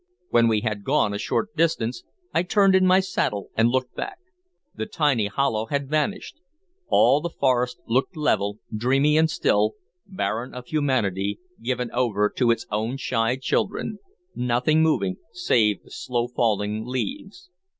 When we had gone a short distance, I turned in my saddle and looked back. The tiny hollow had vanished; all the forest looked level, dreamy and still, barren of humanity, given over to its own shy children, nothing moving save the slow falling leaves.